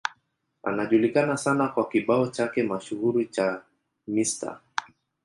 Anajulikana sana kwa kibao chake mashuhuri cha Mr.